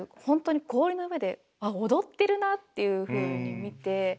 本当に氷の上で踊ってるなあっていうふうに見て。